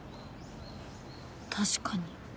確かに。